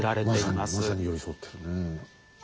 まさにまさに寄り添ってるね。